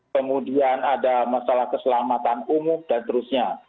kemudian ada masalah keselamatan umum dan terusnya